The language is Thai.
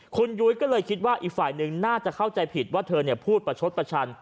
คุณยุ้ยก็เลยคิดว่าอีกฝ่ายหนึ่งน่าจะเข้าใจผิดว่าเธอพูดประชดประชัน